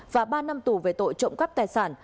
và ba năm tù về tội trộm cắp tài sản